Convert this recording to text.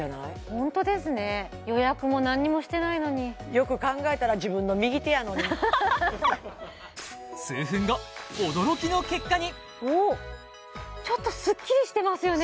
ホントですね予約も何にもしてないのによく考えたら自分の右手やのにおっちょっとスッキリしてますよね